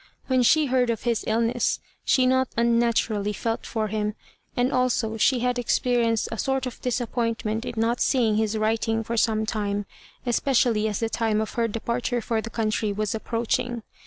When she heard of his illness she not unnaturally felt for him, and also she had experienced a sort of disappointment in not seeing his writing for some time, especially as the time of her departure for the country was approaching.